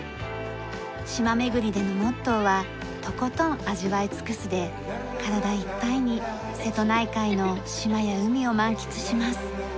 島巡りでのモットーは「とことん味わい尽くす」で体いっぱいに瀬戸内海の島や海を満喫します。